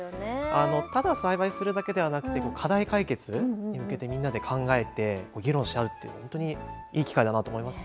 ただ栽培するだけではなくて課題解決に向けてみんなで考えて議論し合うっていうのは本当にいい機会だなと思います。